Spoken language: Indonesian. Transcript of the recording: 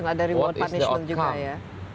ada reward punishment juga ya